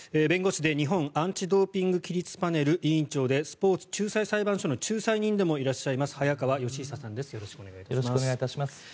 弁護士で日本アンチ・ドーピング規律パネル委員長でスポーツ仲裁裁判所の仲裁人でもいらっしゃいます早川吉尚さんです。